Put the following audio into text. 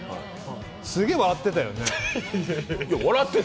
すげえ、笑ってたよね。